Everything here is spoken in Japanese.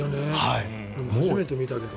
俺も初めて見たけど。